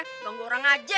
ganggu orang aja